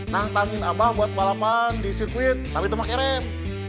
nang tangin abang buat balapan di sirkuit tapi tuh pake rem